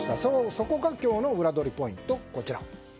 そこがウラどりポイント。